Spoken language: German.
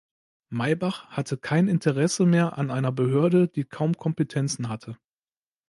Maybach hatte kein Interesse mehr an einer Behörde, die kaum Kompetenzen hatte.